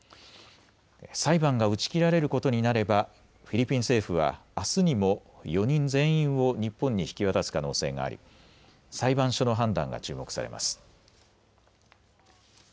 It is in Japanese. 裁判が打ち切られることになればフィリピン政府は、あすにも４人全員を日本に引き渡す可能性があり裁判所の判断が注目されます。